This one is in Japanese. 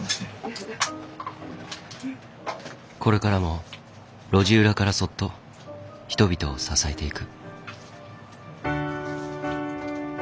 これからも路地裏からそっと人々を支えていく。